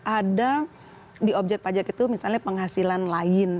ada di objek pajak itu misalnya penghasilan lain